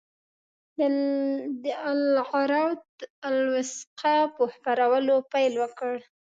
د العروة الوثقی په خپرولو پیل وکړ.